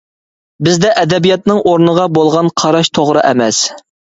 بىزدە ئەدەبىياتنىڭ ئورنىغا بولغان قاراش توغرا ئەمەس.